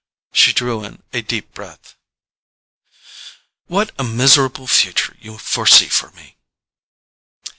She drew a deep breath. "What a miserable future you foresee for me!"